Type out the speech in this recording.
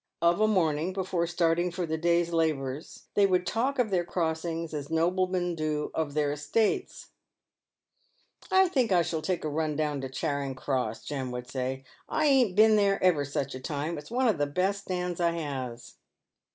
Of a morning before starting for the day's labours, they would talk of their crossings as noblemen do of their estates. " I think I shall take a run down to Charing cross," Jem would say, " I ain't been there ever such a time ; it's one of the best stands I has."